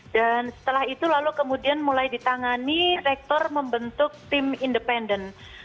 dan setelah itu lalu kemudian mulai ditangani rektor membentuk tim independen